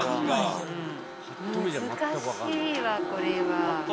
難しいわこれは。